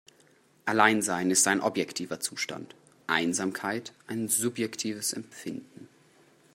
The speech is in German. Alleinsein ist ein objektiver Zustand, Einsamkeit ein subjektives Empfinden.